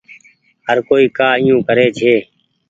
هر ڪوئي ڪآ ايو ڪري ڇي۔